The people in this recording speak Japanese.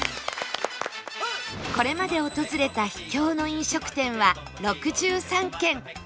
これまで訪れた秘境の飲食店は６３軒